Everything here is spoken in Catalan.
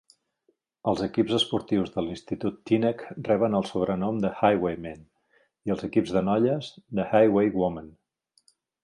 Els equips esportius de l'institut Teaneck reben el sobrenom de Highwaymen, i els equips de noies, de Highwaywomen.